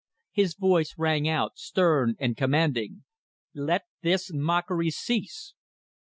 His voice rang out, stern and commanding: "Let this mockery cease!"